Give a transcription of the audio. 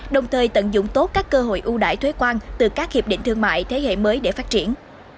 đồng thời tận dụng tốt các cơ hội ưu đại thuế quan từ các hiệp định thương mại thế hệ mới để phát triển